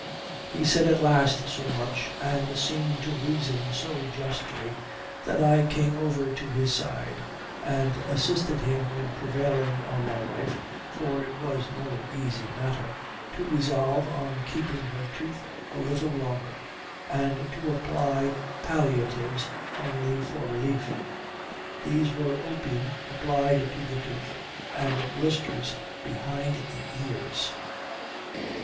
He said at last so much, and seemed to reason so justly, that I came over to his side, and assisted him in prevailing on my wife (for it was no easy matter) to resolve on keeping her tooth a little longer, and to apply palliatives only for relief. These were opium applied to the tooth, and blisters behind the ears.